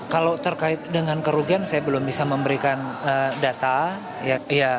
kalau terkait dengan kerugian saya belum bisa memberikan data